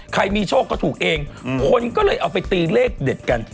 มีโชคก็ถูกเองคนก็เลยเอาไปตีเลขเด็ดกัน